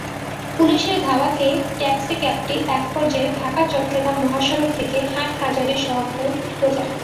পুলিশের ধাওয়া খেয়ে টেক্সিক্যাবটি একপর্যায়ে ঢাকা-চট্টগ্রাম মহাসড়ক থেকে হাটহাজারী সড়কে ঢুকে যায়।